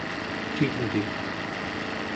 cigvik